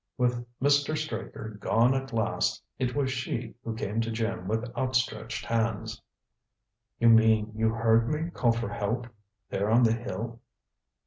With Mr. Straker gone at last, it was she who came to Jim with outstretched hands. "You mean you heard me call for help, there on the hill?"